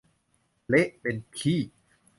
เละเป็นขี้